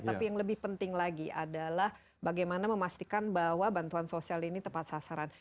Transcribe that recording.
tapi yang lebih penting lagi adalah bagaimana memastikan bahwa bantuan sosial ini tepat sasaran